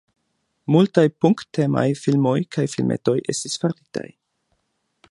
Multaj punk-temaj filmoj kaj filmetoj estis faritaj.